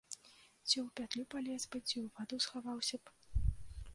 Ці ў пятлю палез бы, ці ў ваду схаваўся б!